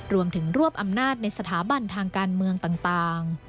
รวมรวบอำนาจในสถาบันทางการเมืองต่าง